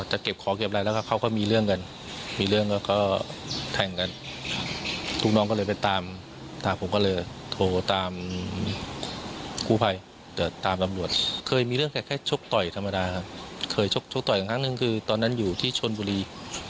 หนึ่งคือตอนนั้นอยู่ที่ชนบุรี